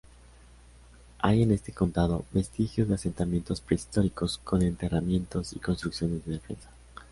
Hay en este condado vestigios de asentamientos prehistóricos, con enterramientos y construcciones de defensa.